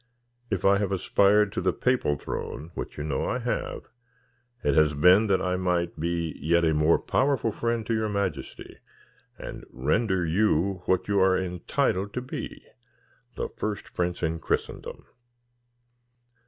If I have aspired to the papal throne which you well know I have it has been that I might be yet a more powerful friend to your majesty, and render you what you are entitled to be, the first prince in Christendom."